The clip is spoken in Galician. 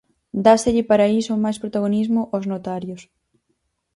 Dáselle para iso máis protagonismo aos notarios.